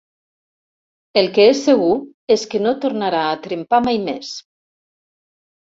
El que és segur és que no tornarà a trempar mai més.